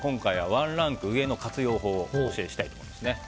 ワンランク上の活用法をお教えしたいと思います。